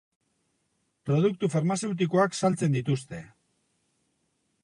Produktu farmazeutikoak saltzen dituzte.